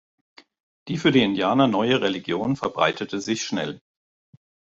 Die für die Indianer neue Religion verbreitete sich schnell.